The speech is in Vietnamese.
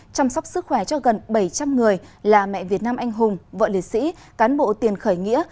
chăm sóc sức khỏe cho gần bảy trăm linh người là mẹ việt nam anh hùng vợ liệt sĩ cán bộ tiền khởi nghĩa